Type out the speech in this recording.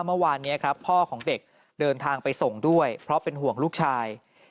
เมื่อวานนี้ครับพ่อของเด็กเดินทางไปส่งด้วยเพราะเป็นห่วงลูกชาย